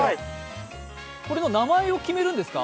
これの名前を決めるんですか？